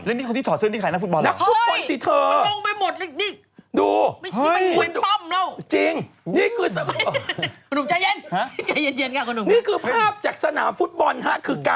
แล้วนี่คนที่ถอดเสื้อในข่ายนักฟุตบอลนะ